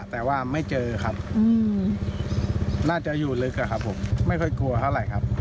แต่ว่าไม่เจอครับน่าจะอยู่ลึกอะครับผมไม่ค่อยกลัวเท่าไหร่ครับ